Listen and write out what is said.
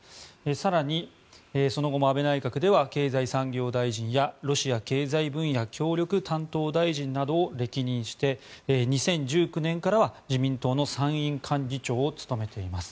更にその後も安倍内閣では経済産業大臣やロシア経済分野協力担当大臣など歴任して２０１９年からは自民党の参院幹事長を務めています。